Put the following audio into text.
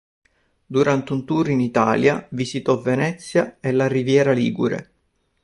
Durante un tour in Italia visitò Venezia e la Riviera ligure.